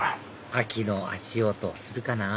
秋の足音するかな？